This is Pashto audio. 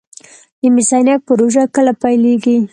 د مس عینک پروژه کله پیلیږي؟